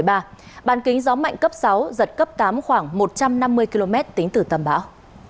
dự báo trong bản kính gió mạnh cấp sáu giật cấp tám khoảng một trăm năm mươi km tính từ tâm bão